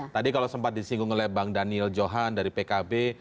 tadi kalau sempat disinggung oleh bang daniel johan dari pkb